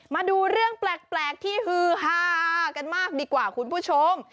มาดูเรื่องแปลกที่ฮือฮากันมากดีกว่าคุณผู้ชม